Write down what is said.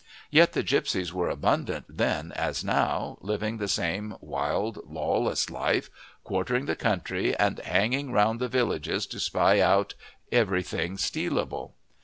Yet the gipsies were abundant then as now, living the same wild, lawless life, quartering the country, and hanging round the villages to spy out everything stealable.